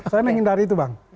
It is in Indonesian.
saya menghindari itu bang